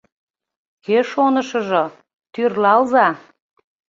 Кӧ шонышыжо, тӱрлалза.